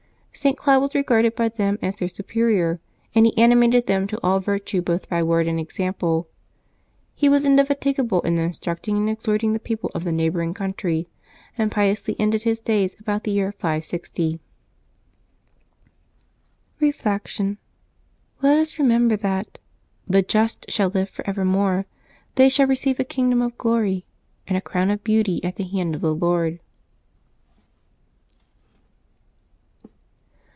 St. Cloud was regarded by them as their superior, and he animated them to all virtue both by word and example. He was indefatigable in instructing and ex horting the people of the neighboring country, and piously ended his days about the year 560. Reflection. — Let us remember that " the just shall live for evermore ; they shall receive a kingdom of glory, and a crown of beautv at the hand of the Lord.'